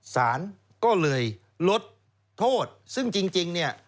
สารก็เลยลดโทษซึ่งจริงเนี่ย